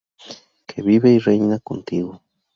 Que vive y reina contigo.